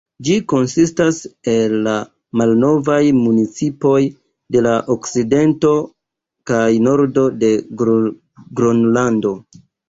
Ĝi konsistas el la malnovaj municipoj de la okcidento kaj nordo de Gronlando.